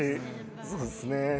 そうですね。